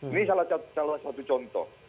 ini salah satu contoh